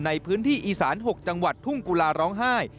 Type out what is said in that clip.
ในพื้นที่อีสาน๖จังหวัดทุ่งกุลาร้องไห้